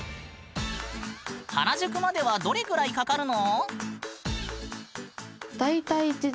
原宿まではどれぐらいかかるの？